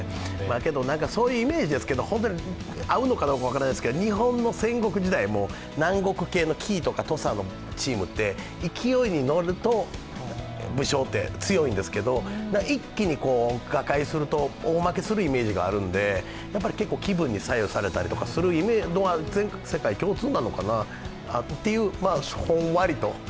けど、そういうイメージですけれども本当に合うのかどうか分からないですけれども、日本の戦国時代、南国系の紀伊とか土佐のチームって勢いに乗ると武将って強いんですけど、一気に瓦解すると大負けするイメージがあるので、やっぱり結構気分に左右されたりするイメージは世界共通なのかなという、ほんわりと。